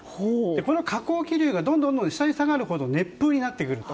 この下降気流がどんどん下に下がることで熱風になっていくと。